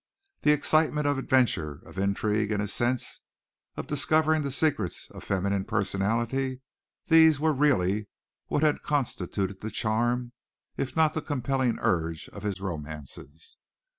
The excitement of adventure, of intrigue in a sense, of discovering the secrets of feminine personality these were really what had constituted the charm, if not the compelling urge, of his romances.